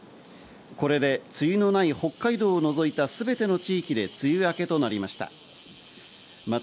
これで梅雨のない北海道を除いた全ての地域で梅雨明けとなりました。